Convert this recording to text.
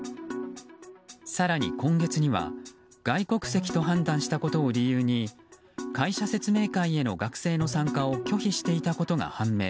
更に今月には、外国籍と判断したことを理由に会社説明会への学生の参加を拒否していたことが判明。